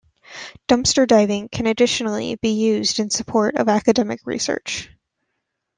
Dumpster diving can additionally be used in support of academic research.